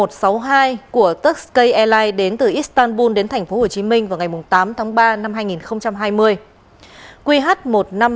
tk một trăm sáu mươi hai của tuxkai airlines đến từ istanbul đến tp hcm vào ngày tám tháng ba năm hai nghìn hai mươi